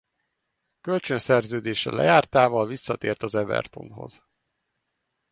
Kölcsönszerződése lejártával visszatért az Evertonhoz.